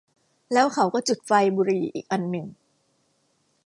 แล้วเขาก็จุดไฟ บุหรี่อีกอันหนึ่ง